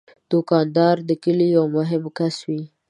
دوکاندار د کلي یو مهم کس وي.